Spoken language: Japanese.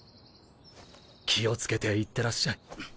気を付けていってらっしゃい。